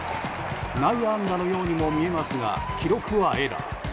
内野安打のようにも見えますが記録はエラー。